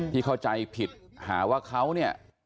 เข้าใจผิดหาว่าเขาเนี่ย